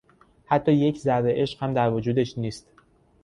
حتی یک ذره عشق هم در وجودش نیست.